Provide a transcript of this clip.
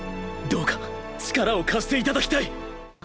どうか力を貸していただきたい。